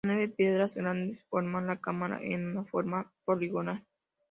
Nueve piedras grandes forman la cámara en una forma poligonal.